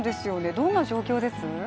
どんな状況です？